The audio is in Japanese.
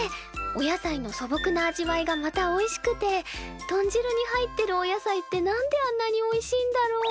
お野菜の素朴な味わいがまたおいしくて豚汁に入ってるお野菜って何であんなにおいしいんだろう。